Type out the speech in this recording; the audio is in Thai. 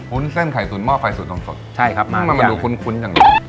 วุ้นเส้นไข่ตุ๋นหม้อไฟสูตรนมสดใช่ครับมาดูคุ้นคุ้นจังเลย